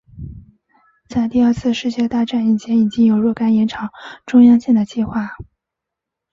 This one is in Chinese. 在第二次世界大战以前已经有若干延长中央线的计划。